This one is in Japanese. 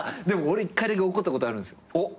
でも俺１回だけ怒ったことあるんすよ。